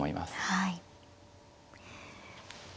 はい。